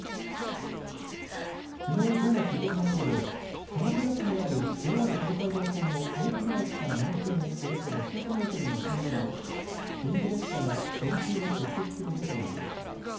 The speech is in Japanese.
きのう午後９時半ごろ、鎌倉市にあるＪＲ東海道線の大船駅から南西におよそ６００メートルの線路内で臨時列車が電柱に接触する事故がありました。